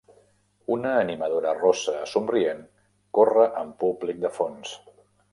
Una animadora rossa somrient corre amb públic de fons.